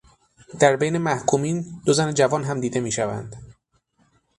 در بین محکومین، دو زن جوان هم دیده میشوند